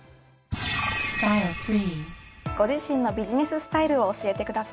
ご自身のビジネススタイルを教えてください。